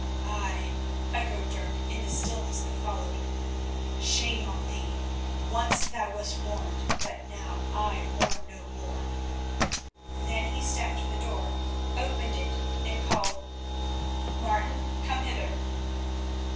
"Ay," echoed Dirk, in the stillness that followed, "shame on thee! Once thou wast warned, but now I warn no more." Then he stepped to the door, opened it, and called, "Martin, come hither."